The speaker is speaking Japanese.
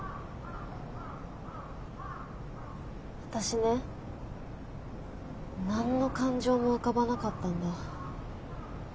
私ね何の感情も浮かばなかったんだ。